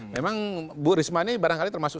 memang bu risma ini barangkali termasuk